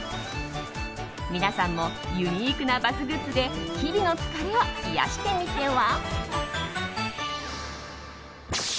皆さんもユニークなバスグッズで日々の疲れを癒やしてみては？